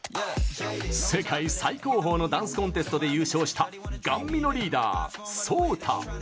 世界最高峰のダンスコンテストで優勝したＧＡＮＭＩのリーダー・Ｓｏｔａ。